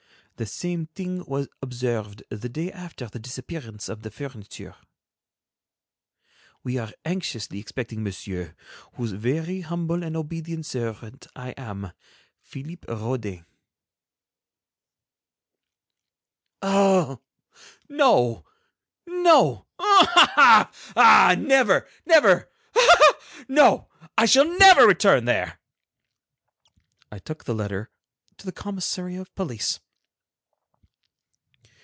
The same thing was observed the day after the disappearance of the furniture. "We are anxiously expecting Monsieur, whose very humble and obedient servant, I am, PHILLIPE RAUDIN." "Ah! no, no, ah! never, never, ah! no. I shall never return there!" I took the letter to the commissary of police.